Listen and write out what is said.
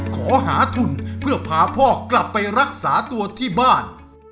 ขอหาทุนเพื่อพาพ่อกลับไปรักษาตัวที่บ้าน